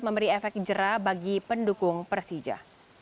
memberi efek jerah bagi pendukung persija